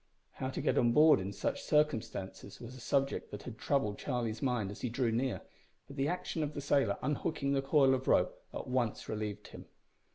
How to get on board in such circumstances was a subject that had troubled Charlie's mind as he drew near, but the action of the sailor unhooking the coil of rope at once relieved him.